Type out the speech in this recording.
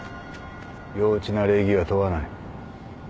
幼稚な礼儀は問わない。